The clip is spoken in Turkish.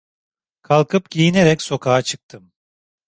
Kalkıp giyinerek sokağa çıktım.